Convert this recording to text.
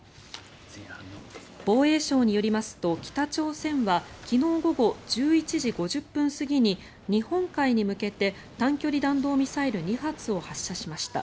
防衛省によりますと北朝鮮は昨日午後１１時５０分過ぎに日本海に向けて短距離弾道ミサイル２発を発射しました。